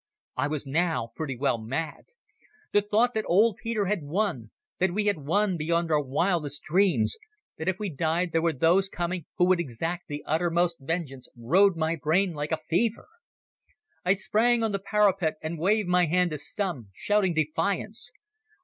I was now pretty well mad. The thought that old Peter had won, that we had won beyond our wildest dreams, that if we died there were those coming who would exact the uttermost vengeance, rode my brain like a fever. I sprang on the parapet and waved my hand to Stumm, shouting defiance.